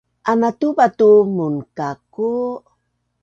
Anatupa tu munka’ku